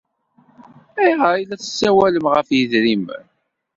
Ayɣer ay la tessawalem ɣef yedrimen?